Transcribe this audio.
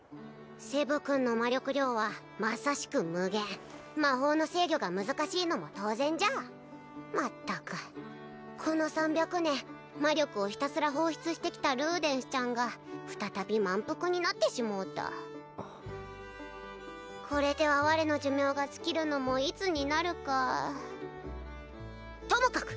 セブ君の魔力量はまさしく無限魔法の制御が難しいのも当然じゃまったくこの３００年魔力をひたすら放出してきたルーデンスちゃんが再び満腹になってしもうたこれでは我の寿命が尽きるのもいつになるかともかく